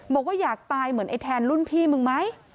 บอกว่าอยากตายเหมือนไอ้แทนรุ่นพี่มึงไหม